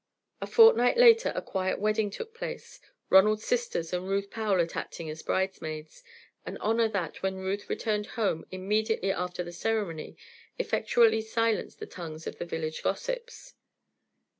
A fortnight later a quiet wedding took place, Ronald's sisters and Ruth Powlett acting as bridesmaids, an honour that, when Ruth returned home immediately after the ceremony, effectually silenced the tongues of the village gossips.